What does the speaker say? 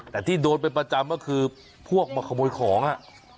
แต่ที่โดนเป็นประจำก็คือพวกมาขโมยของอ่ะ